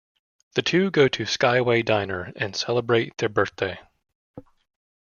The two go to Skyway Diner, and celebrate their birthday.